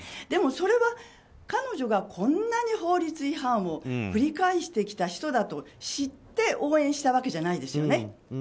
でも、それは彼女がこんなに法律違反を繰り返してきた人だと知って応援したわけではないですよね。